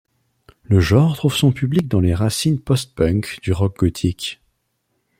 Le genre trouve son public dans les racines post-punk du rock gothique.